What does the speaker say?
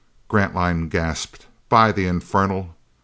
Grantline gasped, "By the infernal!"